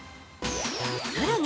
◆さらに！